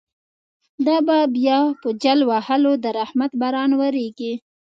دا به بیا په جل وهلو، د رحمت باران وریږی